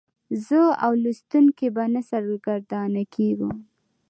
زه او لوستونکی به نه سرګردانه کیږو.